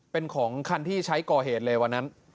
เป็นของคันที่ใช้ก่อเหตุเลยวันนั้น